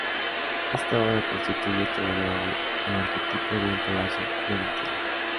Esta obra constituye, todavía hoy, el arquetipo de un palacio florentino.